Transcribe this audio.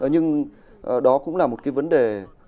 nhưng đó cũng là một cái vấn đề